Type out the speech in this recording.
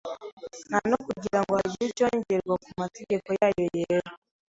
Nta no kugira ngo hagire icyongerwa ku mategeko yayo yera